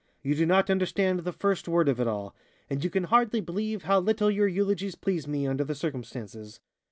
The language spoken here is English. You do not understand the first word of it all, and you can hardly believe how little your eulogies please me, under the circumstances."